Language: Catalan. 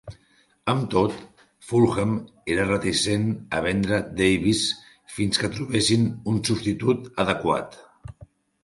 Amb tot, Fulham era reticent a vendre Davis fins que trobessin un substitut adequat.